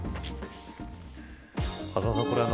風間さん